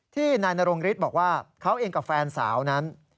นายนรงฤทธิ์บอกว่าเขาเองกับแฟนสาวนั้น